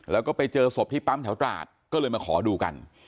แล้วก็ไปเจอศพที่ปั๊มแถวตราดก็เลยมาขอดูกัน